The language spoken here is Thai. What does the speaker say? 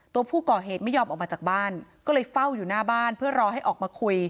ตัวผู้ก่อเหตุไม่ยอมออกมาจากบ้านก็เลยเฝ้าอยู่หน้าบ้านเพื่อรอให้ออกมาคุย